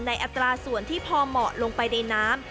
อัตราส่วนที่พอเหมาะลงไปในน้ำ